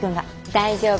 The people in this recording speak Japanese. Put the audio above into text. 大丈夫？